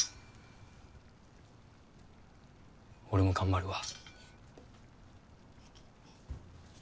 俺も頑張るわ。